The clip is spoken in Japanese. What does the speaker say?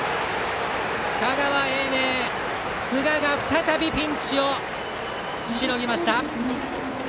香川・英明、寿賀が再びピンチをしのぎました。